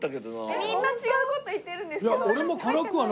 みんな違う事言ってるんですけど。